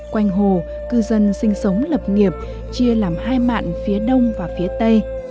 quanh hồ cư dân sinh sống lập nghiệp chia làm hai mạn phía đông và phía tây